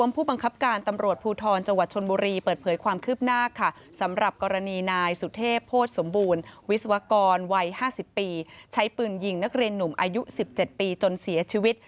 พลตำรวจรีสมประสงค์เย็นทวม